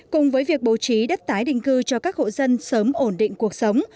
cùng với việc bố trí đất tái định cư cho các hộ dân sớm ổn định cuộc sống